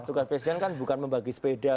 tugas presiden kan bukan membagi sepeda